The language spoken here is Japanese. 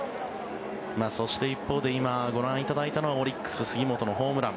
そして一方で今ご覧いただいたのはオリックス、杉本のホームラン。